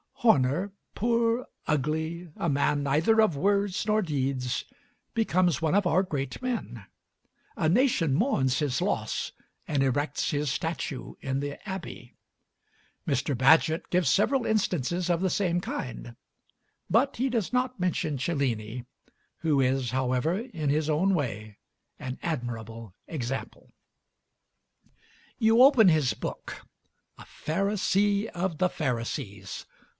Horner poor, ugly, a man neither of words nor deeds becomes one of our great men; a nation mourns his loss and erects his statue in the Abbey. Mr. Bagehot gives several instances of the same kind, but he does not mention Cellini, who is however in his own way an admirable example. You open his book a Pharisee of the Pharisees.